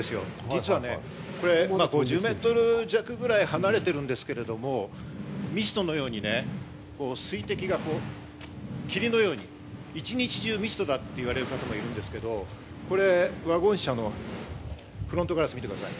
実はここ５０メートル弱ぐらい離れてるんですけれども、ミストのようにね、水滴が霧のように一日中ミストだという方もいらっしゃるんですけれども、これ、ワゴン車のフロントガラス見てください。